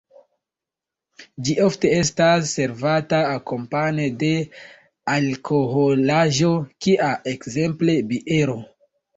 Ĝi ofte estas servata akompane de alkoholaĵo kia ekzemple biero.